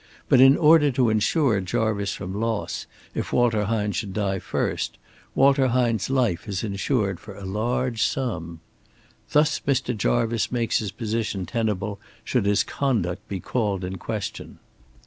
But in order to insure Jarvice from loss, if Walter Hine should die first, Walter Hine's life is insured for a large sum. Thus Mr. Jarvice makes his position tenable should his conduct be called in question.